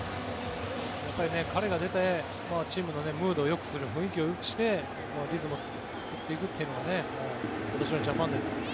やっぱり彼が出てチームのムードをよくする雰囲気をよくしてリズムを作っていくというのが今年のジャパンです。